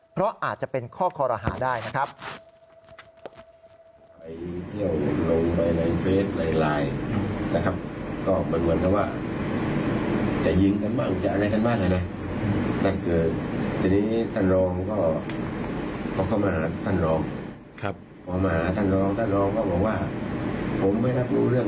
เพราะอาจจะเป็นข้อคอรหาได้นะครับ